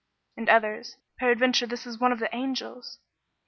And others, "Peradventure this is one of the angels."